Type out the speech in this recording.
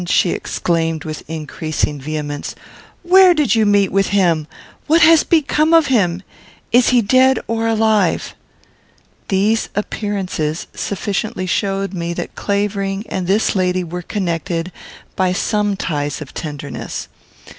she exclaimed, with increasing vehemence; "where did you meet with him? What has become of him? Is he dead, or alive?" These appearances sufficiently showed me that Clavering and this lady were connected by some ties of tenderness.